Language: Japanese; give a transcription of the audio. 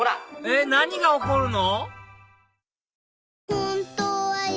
え何が起こるの？